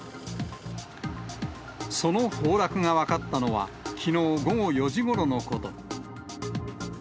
その崩落が分かったのは、きのう午後４時ごろのこと。